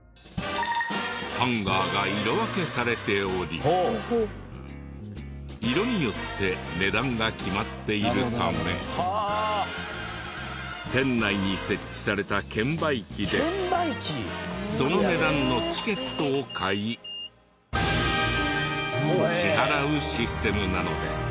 ハンガーが色分けされており色によって値段が決まっているため店内に設置された券売機でその値段のチケットを買い支払うシステムなのです。